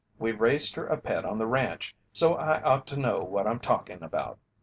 We raised her a pet on the ranch, so I ought to know what I'm talkin' about."